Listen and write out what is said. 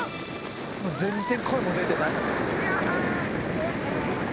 「全然声も出てない」